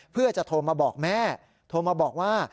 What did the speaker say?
เพื่อจะโทรมาบอกแม่โทรมาบอกว่า